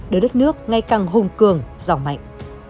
để đất nước ngay càng hùng cường giàu mạnh